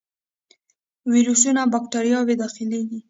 ویروسونه او باکتریاوې داخليږي.